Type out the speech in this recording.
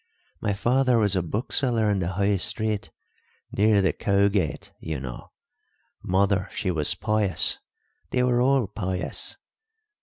My father was a bookseller in the High Street, near the Cowgate you know! Mother, she was pious—they were all pious.